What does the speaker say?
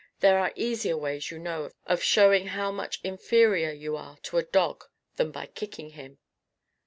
There are easier ways, you know, of showing how much inferior you are to a dog, than by kicking him."